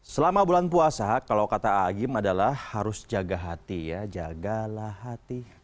selama bulan puasa kalau kata ⁇ agim ⁇ adalah harus jaga hati ya jagalah hati